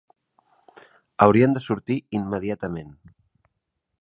Haurien de sortir immediatament.